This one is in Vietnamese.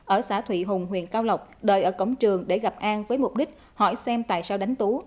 ở xã thụy hùng huyện cao lộc đời ở cổng trường để gặp an với mục đích hỏi xem tại sao đánh tú